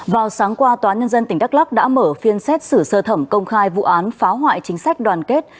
vào sáng qua tòa nhân dân tỉnh đắk lắc đã mở phiên xét xử sơ thẩm công khai vụ án phá hoại chính sách đoàn kết